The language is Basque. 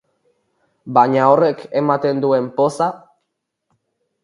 Baina horrek ematen duen poza?